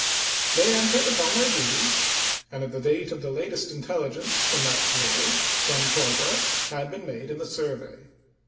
They entered upon their duties, and at the date of the latest intelligence from that quarter some progress had been made in the survey.